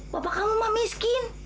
bapak kamu mah miskin